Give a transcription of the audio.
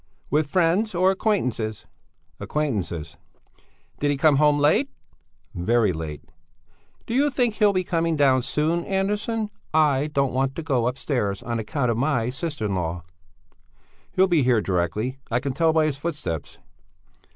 "With friends or acquaintances?" "Acquaintances." "Did he come home late?" "Very late." "Do you think he'll be coming down soon, Andersson? I don't want to go upstairs on account of my sister in law." "He'll be here directly; I can tell by his footsteps."